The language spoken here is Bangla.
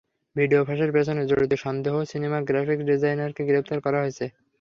ভিডিও ফাঁসের পেছনে জড়িত সন্দেহে সিনেমার গ্রাফিক্স ডিজাইনারকে গ্রেপ্তার করা হয়েছে।